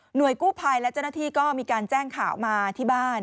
กู้ภัยและเจ้าหน้าที่ก็มีการแจ้งข่าวมาที่บ้าน